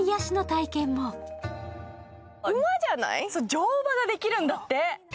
乗馬ができるんだって。